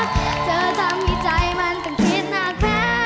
เธอทำให้ใจมันต้องคิดหนักแผล